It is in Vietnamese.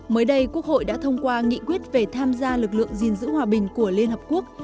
mới đây quốc hội đã thông qua nghị quyết về tham gia lực lượng gìn giữ hòa bình của liên hợp quốc